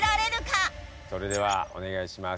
それではお願いします。